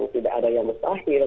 tidak ada yang mustahil